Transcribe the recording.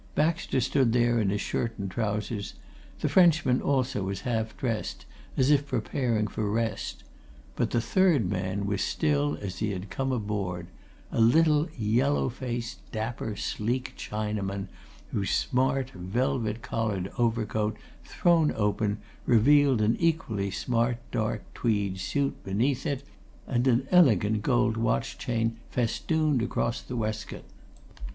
Baxter stood there in his shirt and trousers; the Frenchman also was half dressed, as if preparing for rest. But the third man was still as he had come aboard a little, yellow faced, dapper, sleek Chinaman, whose smart, velvet collared overcoat, thrown open, revealed an equally smart dark tweed suit beneath it, and an elegant gold watch chain festooned across the waistcoat.